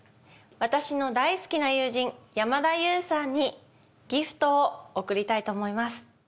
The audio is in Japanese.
私の大好きな友人山田優さんにギフトを贈りたいと思います。